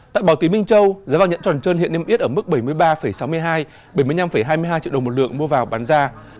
tại bảo tí minh châu giá vàng nhẫn tròn trơn hiện niêm yết ở mức bảy mươi ba sáu mươi hai bảy mươi năm hai mươi hai triệu đồng một lượng mua vào bán ra